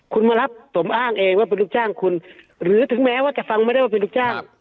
คุณมารับสมอ้างเองว่าเป็นลูกจ้างคุณหรือถึงแม้ว่าจะฟังไม่ได้ว่าเป็นลูกจ้าง